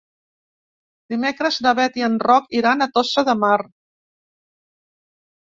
Dimecres na Bet i en Roc iran a Tossa de Mar.